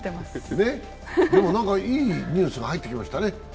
でも何かいいニュースが入ってきましたね。